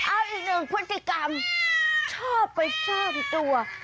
อ้าวอีกหนึ่งพฤติกรรมชอบไปสร้างตัว